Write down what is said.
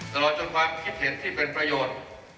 ตลอดจนความคิดเห็นที่เป็นประโยชน์